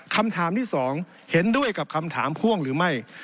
คำถามที่สองเห็นด้วยกับคำถามพ่วงหรือไม่